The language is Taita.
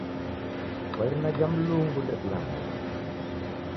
Kwa irina jha Mulungu ndedilaghaya